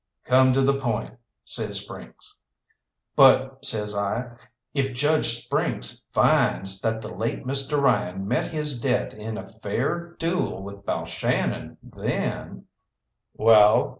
"Come to the point," says Sprynkes. "But," says I, "if Judge Sprynkes finds that the late Mr. Ryan met his death in a fair duel with Balshannon then " "Well?"